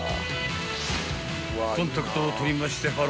［コンタクトを取りましてハロハロ］